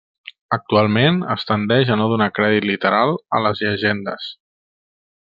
Actualment es tendeix a no donar crèdit literal a les llegendes.